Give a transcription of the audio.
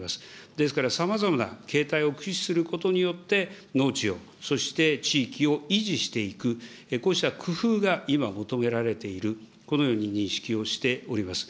ですからさまざまな形態を駆使することによって、農地を、そして地域を維持していく、こうした工夫が今、求められている、このように認識をしております。